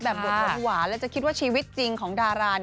บทหวานแล้วจะคิดว่าชีวิตจริงของดารา